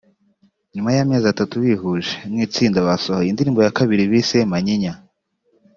nyuma y’amezi atatu bihuje nk’itsinda basohoye indirimbo ya kabiri bise ‘Manyinya’